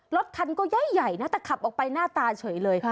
รถคันก็ใหญ่นะแต่ขับออกไปหน้าตาเฉยเลย